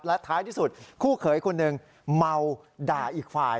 และท้ายที่สุดคู่เขยคนหนึ่งเมาด่าอีกฝ่าย